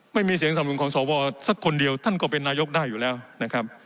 ไม่มีเสียงสนับหนุนของสวสักคนเดียวท่านก็เป็นนายกได้อยู่แล้วนะครับ